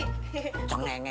kocok nengesan loh